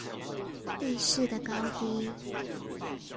地勢的高低